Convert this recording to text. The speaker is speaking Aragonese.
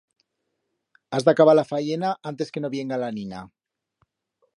Has d'acabar la fayena antes que no vienga la nina.